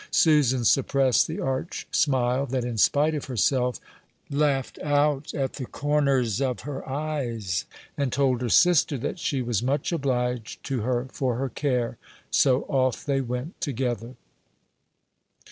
Susan suppressed the arch smile that, in spite of herself, laughed out at the corners of her eyes, and told her sister that she was much obliged to her for her care. So off they went together.